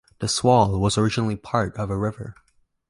The Swale was originally part of a river.